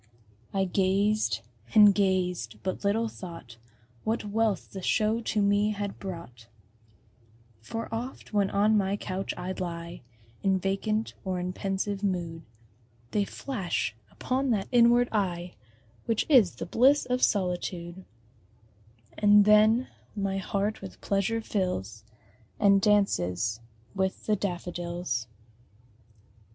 I gazed and gazed but little thought What wealth the show to me had brought; For oft, when on my couch I lie In vacant or in pensive mood, They flash upon that inward eye Which is the bliss of solitude; And then my heart with pleasure fills, And dances with the daffodils.